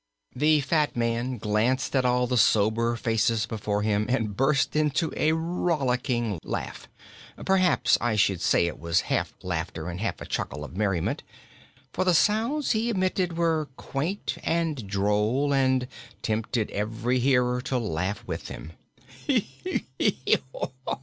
The fat man glanced at all the sober faces before him and burst into a rollicking laugh. Perhaps I should say it was half laughter and half a chuckle of merriment, for the sounds he emitted were quaint and droll and tempted every hearer to laugh with him.